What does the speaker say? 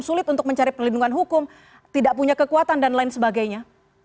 sulit untuk mencari perlindungan hukum tidak punya kekuatan dan lain sebagainya